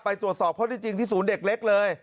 ไปตรวจสอบข้อที่จริงที่ศูนย์เด็กเล็กเลย